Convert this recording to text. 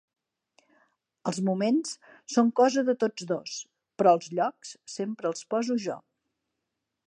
Els moments són cosa de tots dos, però els llocs sempre els poso jo.